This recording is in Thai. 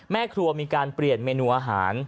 แม่ครัวมีการเปลี่ยนเมนูอาหาร